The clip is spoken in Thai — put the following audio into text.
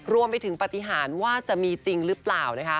รวมไปถึงปฏิหารว่าจะมีจริงหรือเปล่านะคะ